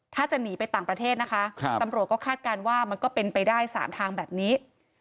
ถ้าจะหนีไปต่างประเทศนะคะตำรวจก็คาดการณ์ว่ามันก็เป็นไปได้๓ทางแบบนี้